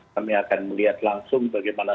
kami akan melihat langsung bagaimana